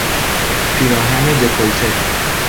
پیراهن دکولته